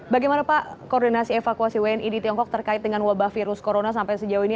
bagaimana pak koordinasi evakuasi wni di tiongkok terkait dengan wabah virus corona sampai sejauh ini